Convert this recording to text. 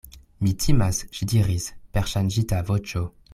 Mi timas, ŝi diris per ŝanĝita voĉo.